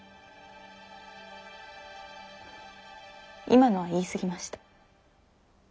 今のは言い過ぎました。